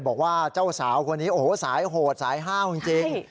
บอกว่าเจ้าสาวคนนี้โอ้โหสายโหดสายห้าวจริง